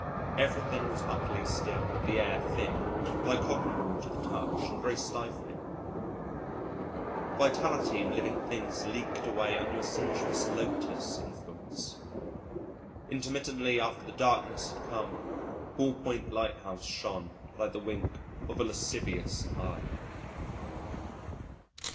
Everything was utterly still, the air thick like cottonwool to the touch and very stifling; vitality in living things leaked away under a sensuous lotus influence. Intermittently after the darkness had come, Bullpoint Lighthouse shone like the wink of a lascivious eye.